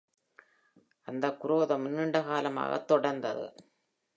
அந்தக் குரோதம் நீண்ட காலமாகத் தொடர்ந்தது.